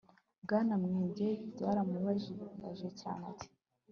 bwana nwege, byaramubabaje cyane ati